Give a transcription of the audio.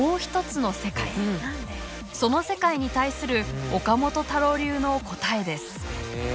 その世界に対する岡本太郎流の答えです。